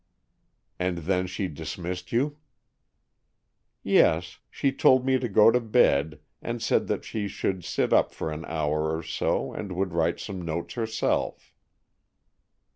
"And then she dismissed you?" "Yes. She told me to go to bed, and said that she should sit up for an hour or so, and would write some notes herself."